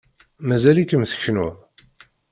Mazal-ikem tkennuḍ.